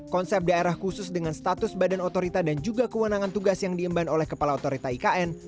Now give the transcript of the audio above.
konsep daerah khusus dengan status badan otorita dan juga kewenangan tugas yang diemban oleh kepala otorita ikn